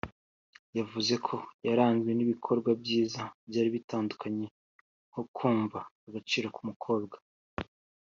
yavuze ko yaranzwe n’ibikorwa byiza byari bitandukanye nko kumva agaciro k’ umukobwa